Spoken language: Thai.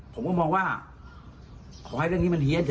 ผมก็มองว่าขอให้เรื่องนี้มันเฮียเถ